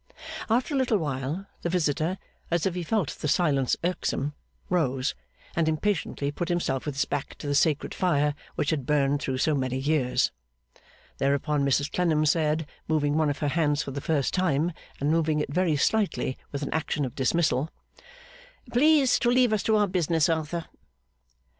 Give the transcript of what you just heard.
After a little, the visitor, as if he felt the silence irksome, rose, and impatiently put himself with his back to the sacred fire which had burned through so many years. Thereupon Mrs Clennam said, moving one of her hands for the first time, and moving it very slightly with an action of dismissal: 'Please to leave us to our business, Arthur.